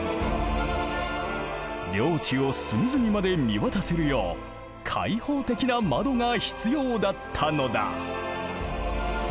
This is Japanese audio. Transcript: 領地を隅々まで見渡せるよう開放的な窓が必要だったのだ。